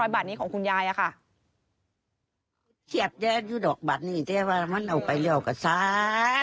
๕๕๐๐บาทนี้ของคุณยายอ่ะค่ะ